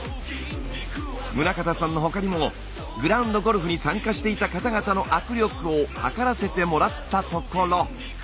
宗像さんの他にもグラウンドゴルフに参加していた方々の握力を測らせてもらったところ。